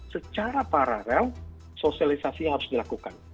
secara paralel sosialisasi harus dilakukan